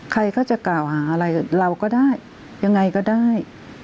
ใครก็จะกล่าวหาอะไรเราก็ได้ยังไงก็ได้